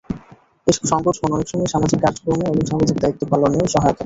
এসব সংগঠন অনেক সময় সামাজিক কাজকর্ম এবং সামাজিক দায়িত্ব পালনেও সহায়তা করে।